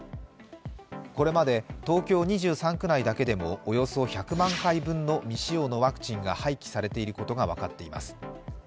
これまで東京２３区内だけでも、およそ１００万回分の未使用のワクチンが廃棄されていることが分かっています。